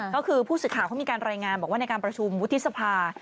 ก็คือผู้สื่อข่าวเขามีการรายงานบอกว่าในการประชุมวุฒิสภา